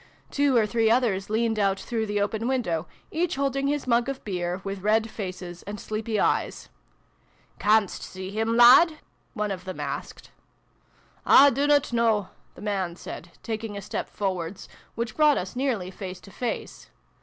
Two or three others leaned out through the open window, each holding his mug of beer, with red faces and sleepy eyes. " Canst see him, lad ?" one of them asked. " I dunnot know," the man said, taking a step forwards, which brought us nearly face to face.